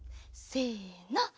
せの。